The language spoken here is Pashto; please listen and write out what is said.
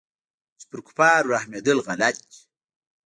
چې پر كفارو رحمېدل غلط دي.